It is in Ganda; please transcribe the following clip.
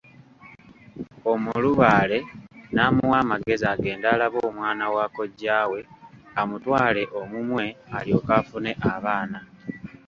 Omulubaale n'amuwa amagezi agende alabe omwana wa kojjaawe amutwale omumwe alyoke afune abaana.